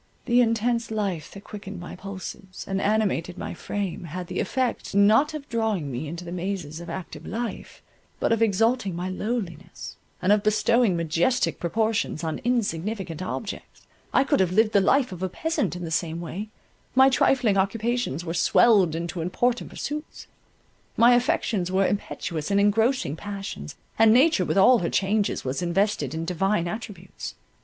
The intense life that quickened my pulses, and animated my frame, had the effect, not of drawing me into the mazes of active life, but of exalting my lowliness, and of bestowing majestic proportions on insignificant objects—I could have lived the life of a peasant in the same way—my trifling occupations were swelled into important pursuits; my affections were impetuous and engrossing passions, and nature with all her changes was invested in divine attributes.